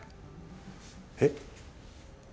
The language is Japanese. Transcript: えっ？